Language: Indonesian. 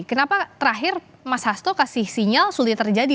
kenapa terakhir mas hasto kasih sinyal sulit terjadi